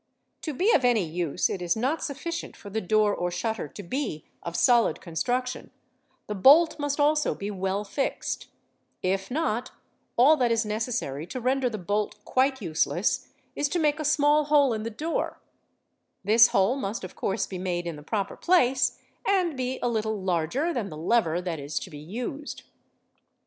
To be of any use it is not sufficient for the door or shut ters to be of solid construction, the bolt must also be well fixed; if not, all that is necessary to render the bolt quite useless is to make a small hole in the door; this hole must of course be made in the proper place and be a little larger than the lever that is to be used.